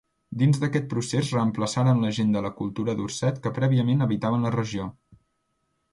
Dins d'aquest procés reemplaçaren la gent de la cultura Dorset que prèviament habitaven la regió.